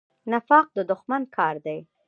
نفاق د دښمن کار دی